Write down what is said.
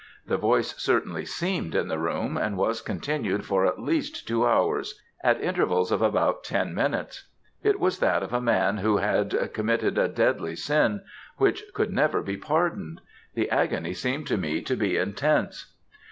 The voice certainly seemed in the room, and was continued for at least two hours, at intervals of about ten minutes. It was that of a man who had committed a deadly sin which could never be pardoned! The agony seemed to me to be intense.